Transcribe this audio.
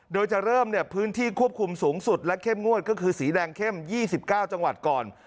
โดยจะเริ่มพื้นที่ควบคุมสูงสุดและเข้มงวดก็คือสีแดงเข้ม๒๙จังหวัดก่อน